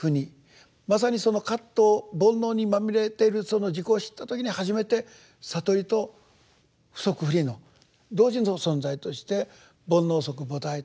まさにその葛藤煩悩にまみれてるその自己を知った時に初めて悟りと不即不離の同時の存在として「煩悩即菩提」とかですね